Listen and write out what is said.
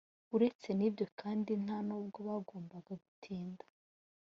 uretse n’ ibyo kandi nta n ‘ubwo bagombaga gutinda.